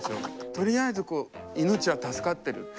とりあえずこう命は助かってるって。